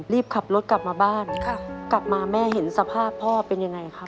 รีบขับรถกลับมาบ้านกลับมาแม่เห็นสภาพพ่อเป็นยังไงคะ